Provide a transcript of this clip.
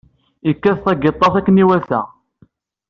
Yekkat tagiṭart akken i iwata.